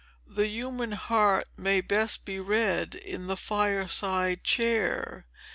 The human heart may best be read in the fireside chair.